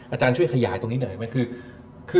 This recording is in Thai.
อาจารย์ช่วยขยายตรงนี้หน่อยได้ไหมคือ